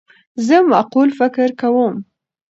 زه معقول فکر کوم.